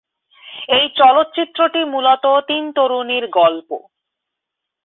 এই চলচ্চিত্রটি মূলত তিন তরুণীর গল্প।